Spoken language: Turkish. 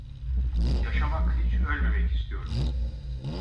Yaşamak, hiç ölmemek istiyorum…